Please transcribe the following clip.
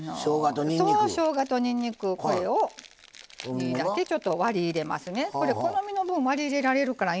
しょうがと、にんにくをちょっと割り入れます。